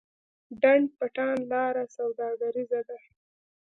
ډنډ پټان لاره سوداګریزه ده؟